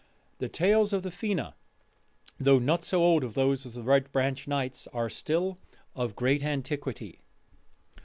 The Tales of the Fena, though not so old as those of the Red Branch Knights, are still of great antiquity.